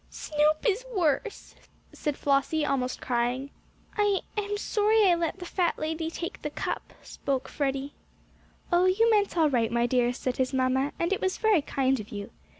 "Snoop is worse," said Flossie, almost crying. "I I'm sorry I let the fat lady take the cup," spoke Freddie. "Oh, you meant all right, my dear," said his mamma, "and it was very kind of you.